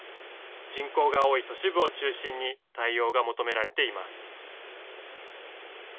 人口が多い都市部を中心に対応が求められています。